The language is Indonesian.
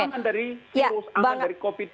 aman dari virus aman dari covid sembilan belas